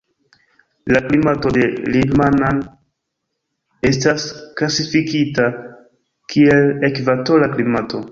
La klimato de Libmanan estas klasifikita kiel ekvatora klimato.